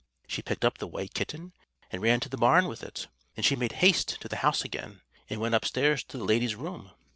She picked up the white kitten, and ran to the barn with it. Then she made haste to the house again, and went upstairs to the lady's room.